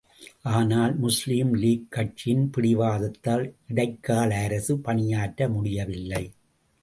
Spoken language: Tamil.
ஆனால், முஸ்லீம் லீக் கட்சியின் பிடிவாதத்தால் இடைக்கால அரசு பணியாற்ற முடியவில்லை.